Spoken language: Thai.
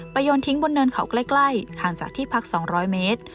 ไปโยนทิ้งบนเนินเขาใกล้ใกล้ห่างจากที่พักสองร้อยเมตร